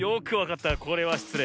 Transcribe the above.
これはしつれい。